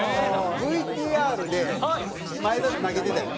ＶＴＲで前田投げてたやん。